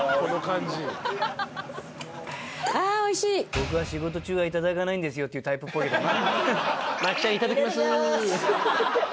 僕は仕事中はいただかないんですよっていうタイプっぽいけどな。